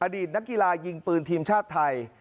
อดีตนักกีฬายิงปืนทีมชาติไทย